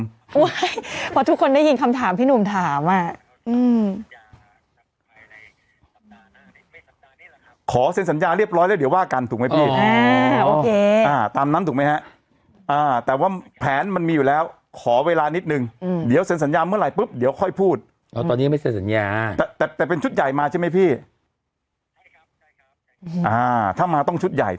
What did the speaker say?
พี่พอทุกคนได้ยินคำถามพี่พี่วินิตบอกว่าชุดใหญ่ใช่ไหมชุดใหญ่